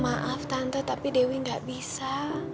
maaf tante tapi dewi gak bisa